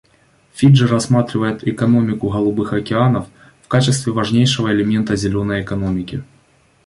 Фиджи рассматривает «экономику голубых океанов» в качестве важнейшего элемента «зеленой экономики».